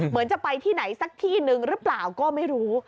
เหมือนจะไปที่ไหนสักที่หนึ่งหรือเปล่าก็ไม่รู้